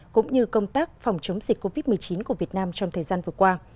cũng như công tác phòng chống dịch covid một mươi chín của việt nam trong thời gian vừa qua